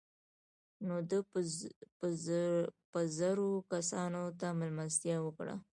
نو ده به زرو کسانو ته مېلمستیا وکړه.